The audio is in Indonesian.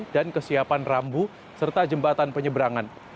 kesiapan rambu serta jembatan penyeberangan